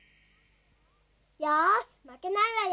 よしまけないわよ。